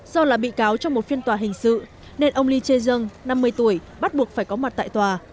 do là bị cáo trong một phiên tòa hình sự nên ông lee che dân năm mươi tuổi bắt buộc phải có mặt tại tòa